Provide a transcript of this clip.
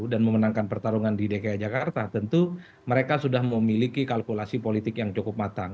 dan memenangkan pertarungan di dki jakarta tentu mereka sudah memiliki kalkulasi politik yang cukup matang